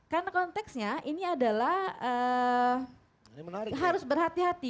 karena konteksnya ini adalah harus berhati hati